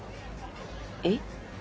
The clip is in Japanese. えっ？